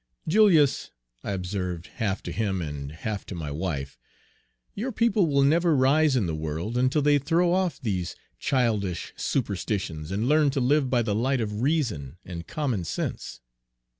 "Julius," I observed, half to him and Page 135 half to my wife, "your people will never rise in the world until they throw off these childish superstitions and learn to live by the light of reason and common sense.